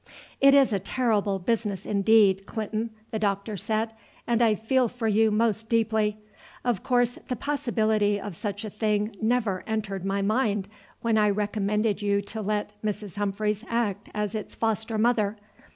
"It is a terrible business indeed, Clinton," the doctor said, "and I feel for you most deeply. Of course the possibility of such a thing never entered my mind when I recommended you to let Mrs. Humphreys act as its foster mother.